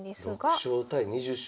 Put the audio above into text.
６勝対２０勝。